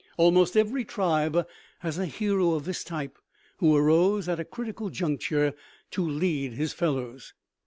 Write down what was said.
Almost every tribe has a hero of this type who arose at a critical juncture to lead his fellows.